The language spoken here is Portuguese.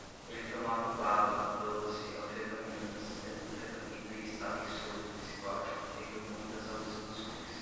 Ele tomava bala, doce, anfetaminas, metanfetamina e estava em surto psicótico, tendo muitas alucinações